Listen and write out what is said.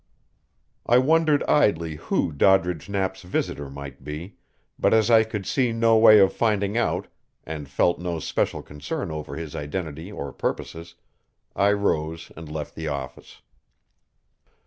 I wondered idly who Doddridge Knapp's visitor might be, but as I could see no way of finding out, and felt no special concern over his identity or purposes, I rose and left the office.